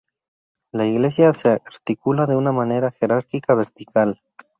La iglesia se articula de una manera jerárquica vertical.